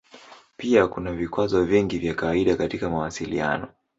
Pia kuna vikwazo vingi vya kawaida katika mawasiliano.